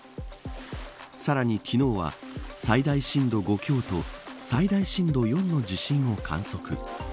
さらに昨日は最大震度５強と最大震度４の地震を観測。